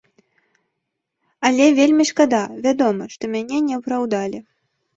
Але вельмі шкада, вядома, што мяне не апраўдалі.